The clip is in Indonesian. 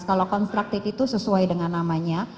kalau konstruktif itu sesuai dengan namanya